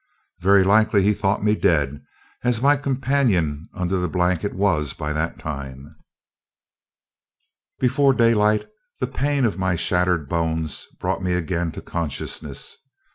Very likely he thought me dead, as my companion under the blanket was by that time. Before daylight, the pain of my shattered bones brought me again to consciousness.